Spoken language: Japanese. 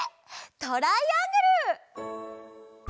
トライアングル！